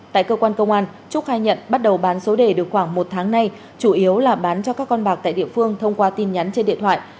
tại cơ quan công an trúc khai nhận bắt đầu bán số đề được khoảng một tháng nay chủ yếu là bán cho các con bạc tại địa phương thông qua tin nhắn trên điện thoại